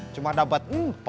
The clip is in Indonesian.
cuma dapat empat